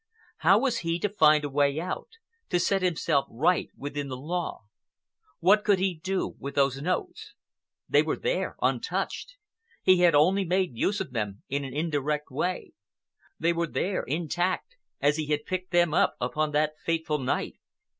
How was he to find a way out—to set himself right with the law? What could he do with those notes? They were there untouched. He had only made use of them in an indirect way. They were there intact, as he had picked them up upon that fateful night.